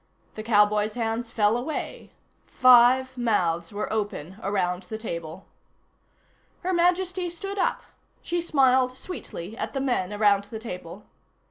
The cowboy's hands fell away. Five mouths were open around the table. Her Majesty stood up. She smiled sweetly at the men around the table.